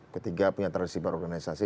ketiga punya tradisi berorganisasi